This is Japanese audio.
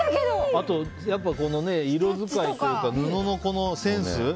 あと、色使いというか布の選ぶセンス。